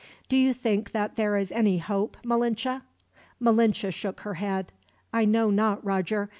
"Do you think that there is any hope, Malinche?" Malinche shook her head. "I know not, Roger.